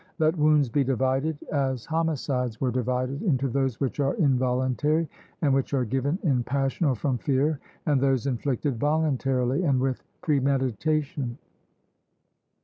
Let wounds be divided as homicides were divided into those which are involuntary, and which are given in passion or from fear, and those inflicted voluntarily and with premeditation.